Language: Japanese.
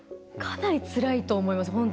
かなりつらいと思います。